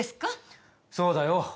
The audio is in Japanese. そうだよ。